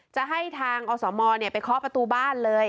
จะให้ทางอสมไปเคาะประตูบ้านเลย